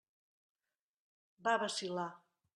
Va vacil·lar.